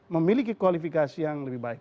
memiliki kualifikasi yang lebih baik